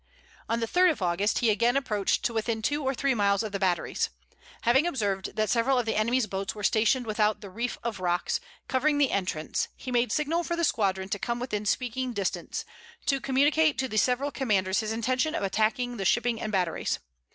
On the 3d of August, he again approached to within two or three miles of the batteries. Having observed that several of the enemy's boats were stationed without the reef of rocks, covering the entrance, he made signal for the squadron to come within speaking distance, to communicate to the several commanders his intention of attacking the shipping and batteries.